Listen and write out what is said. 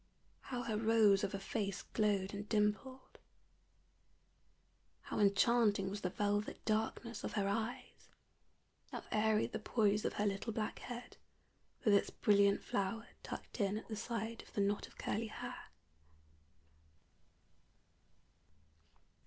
how her rose of a face glowed and dimpled! how enchanting was the velvet darkness of her eyes! how airy the poise of her little black head, with its brilliant flower tucked in at the side of the knot of curly hair!